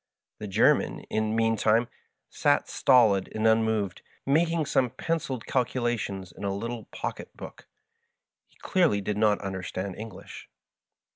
The Gennan, in the mean time, sat stolid and unmoved, making some pen ciled calculations in a little pocket book. He clearly did not understand English.